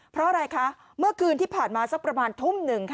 เพราะอะไรคะเมื่อคืนที่ผ่านมาสักประมาณทุ่มหนึ่งค่ะ